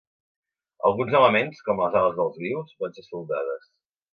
Alguns elements, com les ales dels grius, van ser soldades.